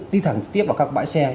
đi thẳng tiếp vào các bãi xe